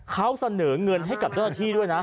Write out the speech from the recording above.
เขาเสนอเงินให้กับเจ้าหน้าที่ด้วยนะ